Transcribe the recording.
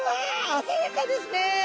鮮やかですね！